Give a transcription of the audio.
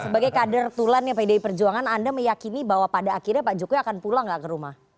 sebagai kader tulannya pdi perjuangan anda meyakini bahwa pada akhirnya pak jokowi akan pulang gak ke rumah